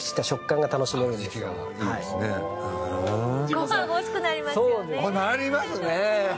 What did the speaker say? これなりますね！